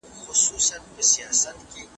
زه به واښه راوړلي وي!!